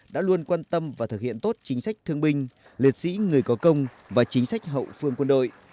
đã luôn quan tâm và thực hiện tốt chính sách thương binh liệt sĩ người có công và chính sách hậu phương quân đội